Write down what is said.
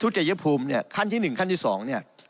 ทุจัยภูมิขั้นที่หนึ่งขั้นที่สอง